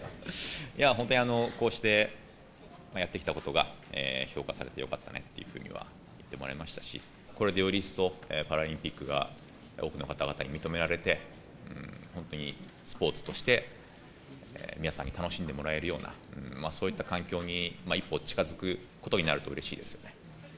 いや、本当にこうして、やってきたことが評価されてよかったねっていうふうには言ってもらえましたし、これでより一層、パラリンピックが多くの方々に認められて、本当にスポーツとして皆さんに楽しんでもらえるような、そういった環境に一歩近づくことになるとうれしいですよね。